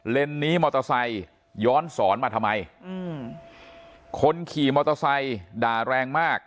นี้มอเตอร์ไซค์ย้อนสอนมาทำไมอืมคนขี่มอเตอร์ไซค์ด่าแรงมาก